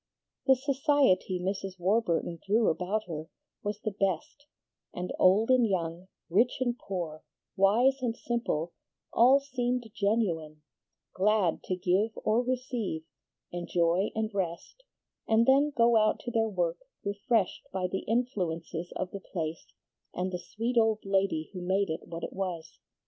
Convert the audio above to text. The society Mrs. Warburton drew about her was the best, and old and young, rich and poor, wise and simple, all seemed genuine, glad to give or receive, enjoy and rest, and then go out to their work refreshed by the influences of the place and the sweet old lady who made it what it was.